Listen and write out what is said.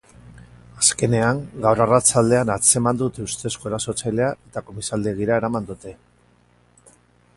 Azkenean, gaur arratsaldean atzeman dute ustezko erasotzailea eta komisaldegira eraman dute.